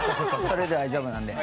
それで大丈夫なんで。